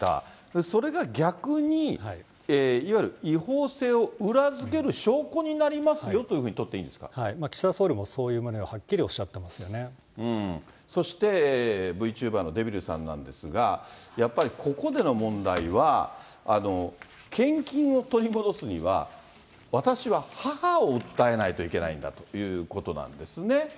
それが逆に、いわゆる違法性を裏付ける証拠になりますよというふうに取ってい岸田総理はそういう旨をはっそして、Ｖチューバーのデビルさんなんですが、やっぱりここでの問題は、献金を取り戻すには、私は母を訴えないといけないんだということなんですね。